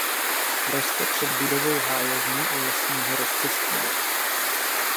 Roste před budovou hájovny u lesního rozcestí.